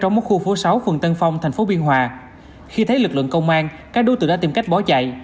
trong một khu phố sáu phường tân phong thành phố biên hòa khi thấy lực lượng công an các đối tượng đã tìm cách bỏ chạy